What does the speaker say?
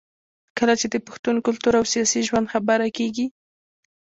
کله چې د پښتون کلتور او سياسي ژوند خبره کېږي